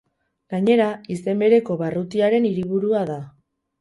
Gainera, izen bereko barrutiaren hiriburua da.